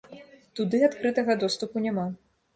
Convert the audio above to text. Туды адкрытага доступу няма.